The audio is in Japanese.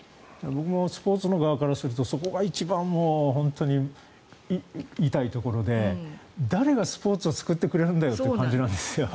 僕もスポーツの側からするとそこが一番本当に痛いところで誰がスポーツを救ってくれるんだよという感じなんですよ。